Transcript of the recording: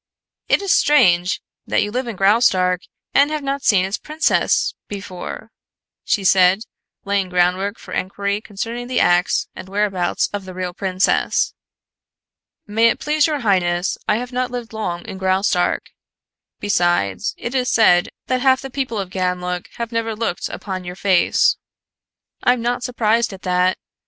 "It is strange that you live in Graustark and have not seen its princess before," she said, laying groundwork for enquiry concerning the acts and whereabouts of the real princess. "May it please your highness, I have not lived long in Graustark. Besides, it is said that half the people of Ganlook have never looked upon your face." "I'm not surprised at that.